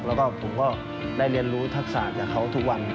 แล้วก็ผมก็ได้เรียนรู้ทักษะจากเขาทุกวัน